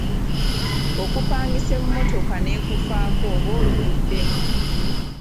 Okupangisa emmotoka n’ekufaako oba oluguddemu.